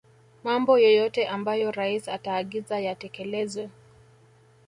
Mambo yoyote ambayo rais ataagiza yatekelezwe